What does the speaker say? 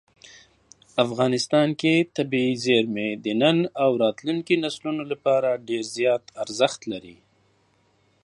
افغانستان کې طبیعي زیرمې د نن او راتلونکي نسلونو لپاره ډېر زیات ارزښت لري.